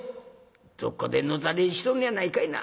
どっかで野たれ死にしとんのやないかいな。